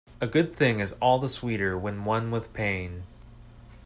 A good thing is all the sweeter when won with pain.